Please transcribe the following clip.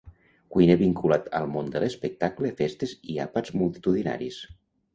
Cuiner vinculat al món de l'espectacle, festes i àpats multitudinaris.